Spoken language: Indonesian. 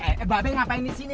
eh eh bapak yang ngapain disini